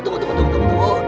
tunggu tunggu tunggu